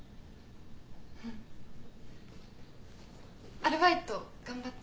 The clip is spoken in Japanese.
アルバイト頑張って。